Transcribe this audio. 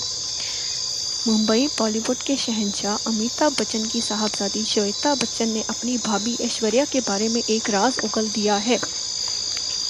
ممبئی بالی would کے شہنشاہ امیتابھبچن کی صاحبزادی شویتا بچن نے اپنی بھابھی ایشوریا کے بارے ایک راز اگل دیا ہے